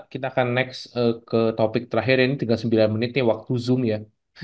kita akan next ke topik terakhir ini tiga puluh sembilan menitnya waktu zoom ya